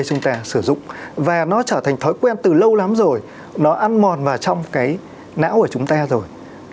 chúng ta sử dụng và nó trở thành thói quen từ lâu lắm rồi nó ăn mòn vào trong cái não của chúng ta rồi